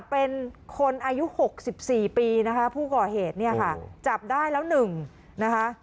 เป็นคนอายุหกสิบสี่ปีนะคะผู้ก่อเหตุเนี่ยค่ะจับได้แล้วหนึ่งนะคะ